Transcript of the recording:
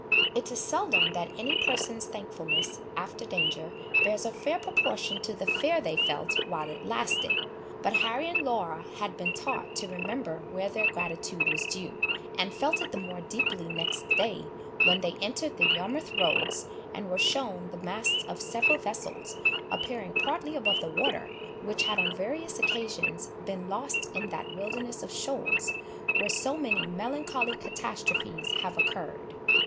It is seldom that any person's thankfulness after danger bears a fair proportion to the fear they felt while it lasted; but Harry and Laura had been taught to remember where their gratitude was due, and felt it the more deeply next day, when they entered the Yarmouth Roads, and were shewn the masts of several vessels, appearing partly above the water, which had on various occasions, been lost in that wilderness of shoals, where so many melancholy catastrophes have occurred.